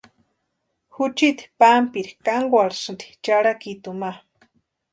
Juchiti pampiri kankwarhsïnti charhakituni ma.